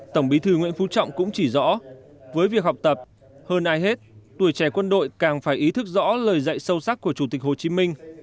tổng bí thư nguyễn phú trọng cũng chỉ rõ với việc học tập hơn ai hết tuổi trẻ quân đội càng phải ý thức rõ lời dạy sâu sắc của chủ tịch hồ chí minh